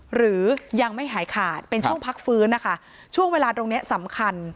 หรือยังไม่หายขาดเป็นช่วงพักฟื้นนะคะช่วงเวลาตรงนี้สำคัญ